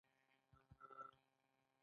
همدارنګه له یو اړخیز راپور څخه مخنیوی کوم.